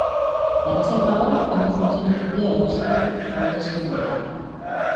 Erreserba horrek ondo funtzionatu dio erregio hauteskundeetan.